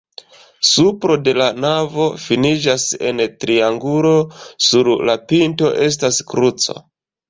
Supro de la navo finiĝas en triangulo, sur la pinto estas kruco.